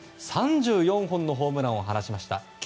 ３４本のホームランを放ちました。